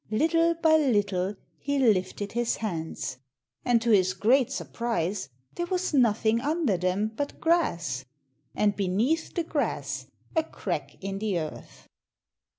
Little by little he lifted his hands. And to his great surprise there was nothing under them but grass and beneath the grass a crack in the earth.